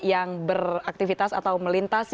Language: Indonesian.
yang beraktivitas atau melintas